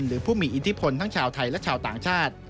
หรือผู้มีอิทธิพลทั้งชาวไทยและชาวต่างชาติ